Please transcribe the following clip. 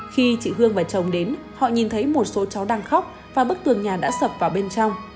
khi chị hương và chồng đến họ nhìn thấy một số cháu đang khóc và bức tường nhà đã sập vào bên trong